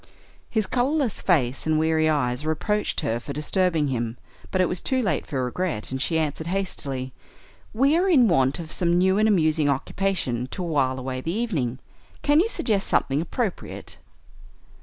His colorless face and weary eyes reproached her for disturbing him, but it was too late for regret, and she answered hastily, "We are in want of some new and amusing occupation to wile away the evening. Can you suggest something appropriate?"